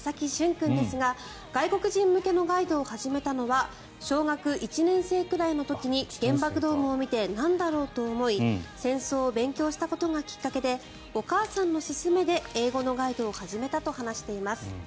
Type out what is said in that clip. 君ですが外国人向けのガイドを始めたのは小学１年生くらいの時に原爆ドームを見てなんだろうと思い戦争を勉強したことがきっかけでお母さんの勧めで英語のガイドを始めたと話しています。